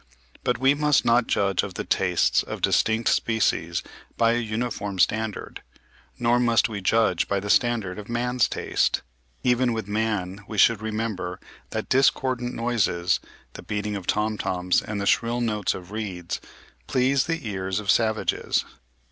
But we must not judge of the tastes of distinct species by a uniform standard; nor must we judge by the standard of man's taste. Even with man, we should remember what discordant noises, the beating of tom toms and the shrill notes of reeds, please the ears of savages.